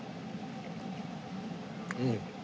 うん。